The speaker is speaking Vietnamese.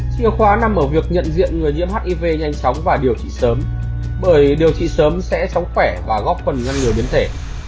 siêu khóa nằm ở việc nhận diện người nhiễm hiv nhanh chóng và điều trị sớm bởi điều trị sớm sẽ sống khỏe và góp phần ngăn ngừa biến thể